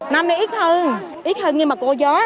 năm nay ít hơn ít hơn nhưng mà có gió